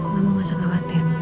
gak mau masalah